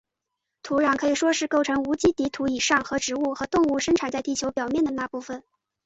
土壤可以说是构成无机底土以上和植物和动物生活在地球表面的那部分。